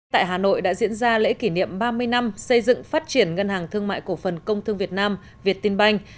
tại hà nội đã diễn ra lễ kỷ niệm ba mươi năm xây dựng phát triển ngân hàng thương mại cổ phần công thương việt nam việt tinh banh